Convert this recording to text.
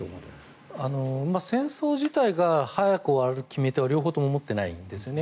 戦争自体が早く終わる決め手を両方とも持っていないんですね。